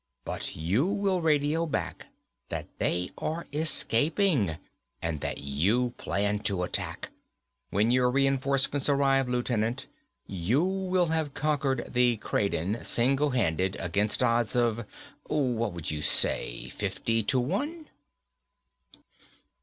But you will radio back that they are escaping and that you plan to attack. When your reinforcements arrive, Lieutenant, you will have conquered the Kraden, single handed, against odds of what would you say, fifty to one?"